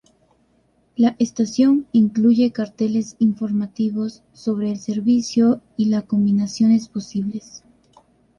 La estación incluye carteles informativos sobre el servicio y la combinaciones posibles.